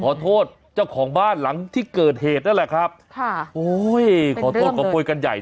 ขอโทษเจ้าของบ้านหลังที่เกิดเหตุนั่นแหละครับค่ะโอ้ยขอโทษขอโพยกันใหญ่